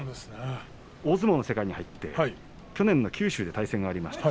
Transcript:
大相撲の世界に入って去年は九州で対戦がありました。